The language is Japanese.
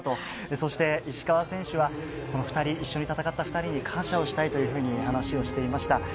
そして石川選手は一緒に戦った２人に感謝したいと話をしていました。